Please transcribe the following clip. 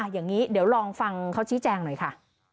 อย่างนี้เดี๋ยวลองฟังเขาชี้แจงหน่อยค่ะ